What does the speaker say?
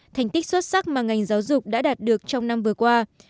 thành tích xuất sắc mà ngành giáo dục đã đạt được trong năm vừa qua